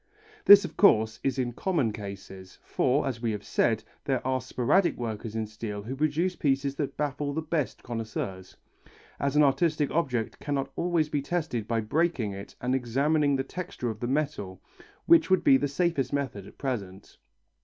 This, of course, is in common cases, for, as we have said, there are sporadic workers in steel who produce pieces that baffle the best connoisseurs as an artistic object cannot always be tested by breaking it and examining the texture of the metal, which would be the safest method at present.